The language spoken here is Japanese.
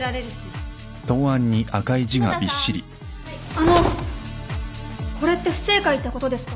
あのこれって不正解ってことですか？